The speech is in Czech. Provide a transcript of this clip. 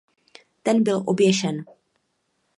Ten byl oběšen.